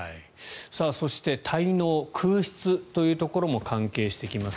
そして滞納、空室というところも関係してきます。